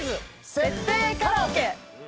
設定カラオケ。